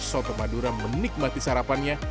soto madura menikmati sarapannya